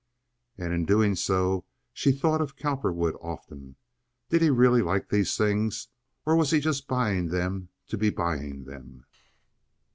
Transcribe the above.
And in doing so she thought of Cowperwood often. Did he really like these things, or was he just buying them to be buying them?